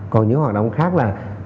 còn những hoạt động khác là